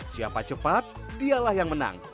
siapa cepat dialah yang menang